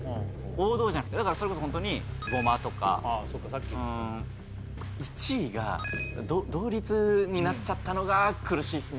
王道じゃなくてだからそれこそホントにごまとかそっかさっき言ってた１位が同率になっちゃったのが苦しいっすね